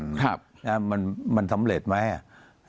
ครับนะมันสำเร็จไหมอ่ะ